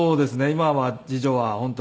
今は次女は本当に。